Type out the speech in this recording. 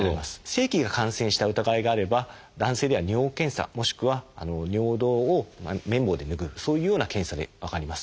性器が感染した疑いがあれば男性では尿検査もしくは尿道を綿棒で拭うそういうような検査で分かります。